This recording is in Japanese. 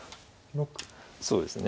そうですね。